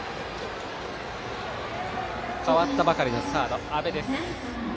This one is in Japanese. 代わったばかりのサード安部です。